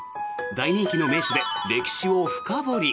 大人気の名所で歴史を深掘り。